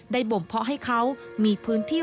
บ่มเพาะให้เขามีพื้นที่